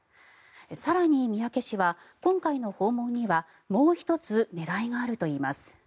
更に、宮家氏は今回の訪問にはもう１つ狙いがあるといいます。